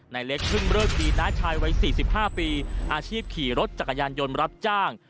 ในเล็กเพิ่งเลิกดีน้าชายวัย๔๕ปีอาชีพขี่รถจักรยานยนต์รับจ้าง